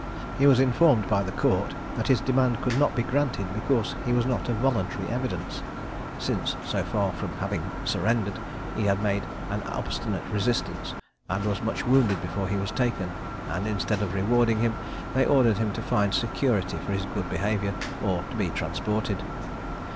He was informed by the Court, that his demand could not be granted, because he was not a voluntary evidence; since, so far from having surrendered, he had made an obstinate resistance, and was much wounded before he was taken; and instead of rewarding him, they ordered him to find security for his good behaviour, or to be transported.